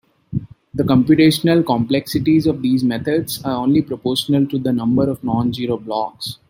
The computational complexities of these methods are only proportional to the number of non-zero blocks.